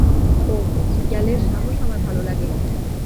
ওওওহ, গ্যালের সাহস আমার ভালো লাগে!